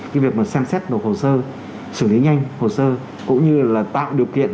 cái việc mà xem xét nộp hồ sơ xử lý nhanh hồ sơ cũng như là tạo điều kiện